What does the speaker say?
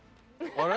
あれ？